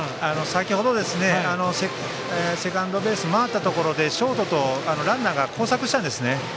先程セカンドベースを回ったところでショートとランナーが交錯したんですね。